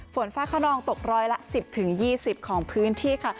ฝนฟ้าขนองตกร้อยละ๑๐๒๐ของพื้นที่ค่ะ